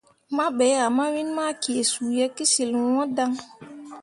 Mah be ah mawin ma kee suu ye kəsyil ŋwəə daŋ.